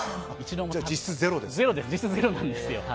実質ゼロなんですよ。